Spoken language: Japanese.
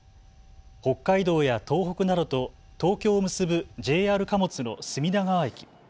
北海道や東北などと東京を結ぶＪＲ貨物の隅田川駅。